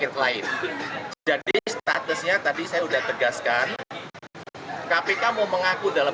tiba tiba datang surat